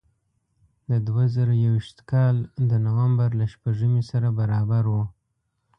د دوه زره یو ویشت کال د نوامبر له شپږمې سره برابر و.